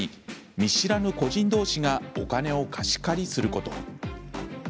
見知らぬ個人同士がお金を貸し借りすること。